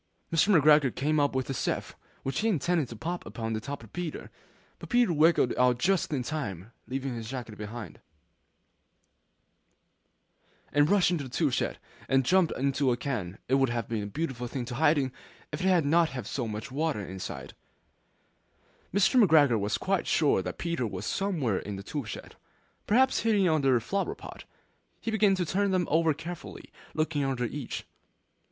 Mr. McGregor came up with a sieve, which he intended to pop upon the top of Peter; but Peter wriggled out just in time, leaving his jacket behind him. And rushed into the tool shed, and jumped into a can. It would have been a beautiful thing to hide in, if it had not had so much water in it. Mr. McGregor was quite sure that Peter was somewhere in the tool shed, perhaps hidden underneath a flower pot. He began to turn them over carefully, looking under each.